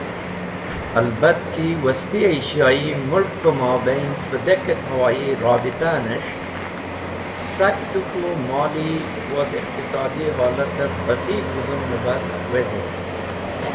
Albatki Wasti Ayshiayi Mulkve Mobain Fidek et Hawoyi Rabita nes̃h sak de K̃hu Mali woz Iqtisodi Holotev bafig̃h wuzumne bas wezin.